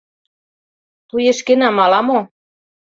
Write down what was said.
Туешкенам ала-мо?